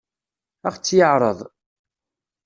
Ad ɣ-tt-yeɛṛeḍ?